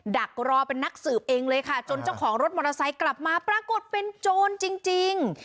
ดักรอเป็นนักสืบเองเลยค่ะจนเจ้าของรถมอเตอร์ไซค์กลับมาปรากฏเป็นโจรจริง